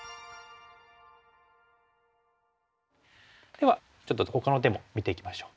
ではちょっとほかの手も見ていきましょう。